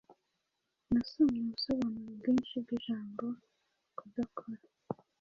Nasomye ubusobanuro bwinshi bw’ijambo "kudakora"